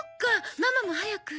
ママも早くって！